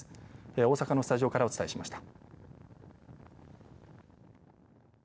大阪のスタジオからお伝えしました。